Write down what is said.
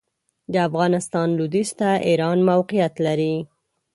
د افغانستان لوېدیځ ته ایران موقعیت لري.